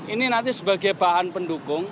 ini nanti sebagai bahan pendukung